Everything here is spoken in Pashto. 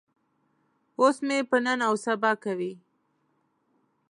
اوس مې په نن او سبا کوي.